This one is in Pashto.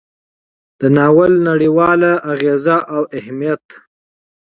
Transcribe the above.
د ناول نړیوال اغیز او اهمیت: